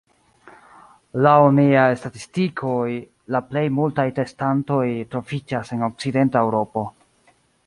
Laŭ niaj statikistoj, la plej multaj testantoj troviĝas en okcidenta Eŭropo.